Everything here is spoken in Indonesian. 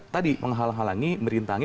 tadi menghalangi merintangi